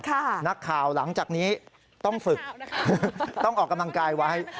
นักข่าวหลังจากนี้ต้องฝึกต้องออกกำลังกายไว้